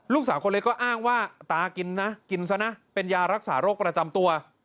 ลูกสาวคนเล็กก็อ้างว่าตากินนะกินซะนะเป็นยารักษาโรคประจำตัว